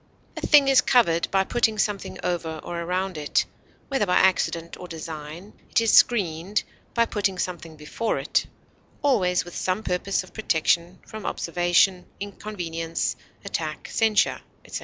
A thing is covered by putting something over or around it, whether by accident or design; it is screened by putting something before it, always with some purpose of protection from observation, inconvenience, attack, censure, etc.